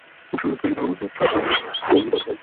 কুসংস্কারই ধর্মকে ছাপাইয়া গোল বাধায়।